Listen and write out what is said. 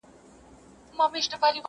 په خپل كور كي يې لرمه مثالونه!!